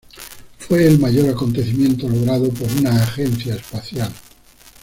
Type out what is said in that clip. Fue el mayor acontecimiento logrado por una agencia espacial.